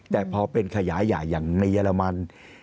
แต่พอเป็นขยายใหญ่อย่างในเยอรมัน